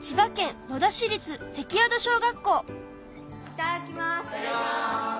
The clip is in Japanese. いただきます！